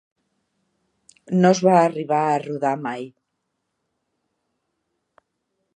No es va arribar a rodar mai.